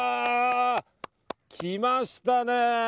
来ましたね。